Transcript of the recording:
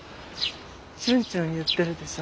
ちゅんちゅん言ってるでしょ。